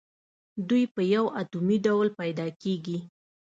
دوی په یو اتومي ډول پیداکیږي.